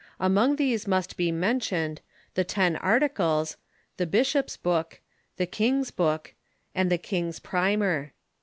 Among these must be mentioned " The Ten Articles," " The Bishoii's Book," " The King's Book," and " The King's Primer."